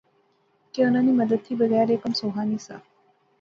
کہ انیں نی مدد تھی بغیر ایہہ کم سوخا نہسا